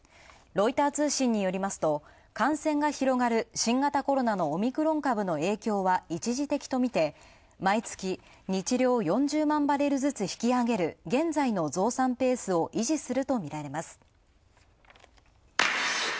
ロイター通信によりますと感染が広がる新型コロナのオミクロン株の影響は一時的とみて毎月、にちりょう４０万バレルずつ引き上げる現在の増産ペースを維持すると見られます。